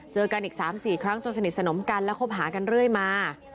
เจอกันอีก๓๔ครั้งจนสนิทสนมกันและคบหากันเรื่อยมา